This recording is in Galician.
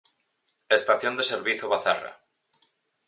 Estación de servizo Bazarra.